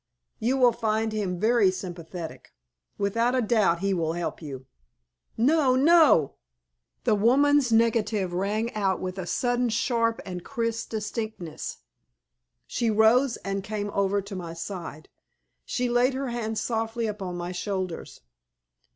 You will find him very sympathetic. Without a doubt he will help you!" "No! No!" The woman's negative rang out with a sudden sharp and crisp distinctness. She rose and came over to my side. She laid her hands softly upon my shoulders.